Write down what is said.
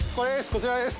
こちらです。